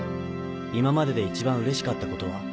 今までで一番うれしかったことは？